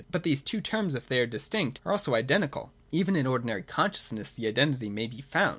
But these two terms, if they are dis tinct, are also identical. Even in ordinary consciousness that identity may be found.